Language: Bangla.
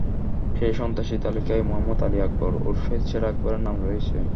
সেই সন্ত্রাসী তালিকায় মোহাম্মদ আলী আকবর ওরফে ছেঁড়া আকবরের নাম রয়েছে।